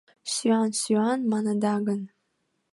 Сӱан, сӱан маныда гын